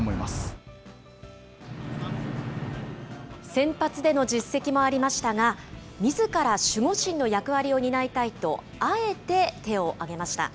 先発での実績もありましたが、みずから守護神の役割を担いたいと、あえて手を挙げました。